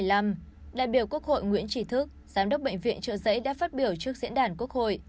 đại biểu quốc hội nguyễn trí thức giám đốc bệnh viện trợ giấy đã phát biểu trước diễn đàn quốc hội